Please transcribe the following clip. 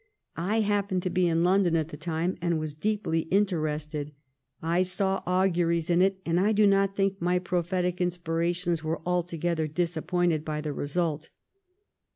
I happened to be in London at the time, and was deeply interested. I saw auguries in it, and I do not think my prophetic inspirations were alto gether disappointed by the result.